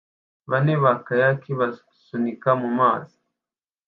bane ba kayakiers basunika mumazi